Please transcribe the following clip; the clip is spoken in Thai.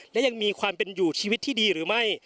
และยังมีความเป็นอยู่ชีวิตที่ดีหรือไม่